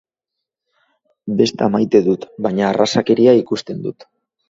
Besta maite dut, baina arrazakeria ikusten dut.